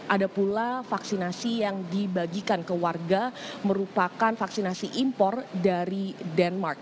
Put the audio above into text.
ada pula vaksinasi yang dibagikan ke warga merupakan vaksinasi impor dari denmark